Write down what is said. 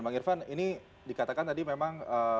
bang irvan ini dikatakan tadi memang